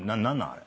あれ。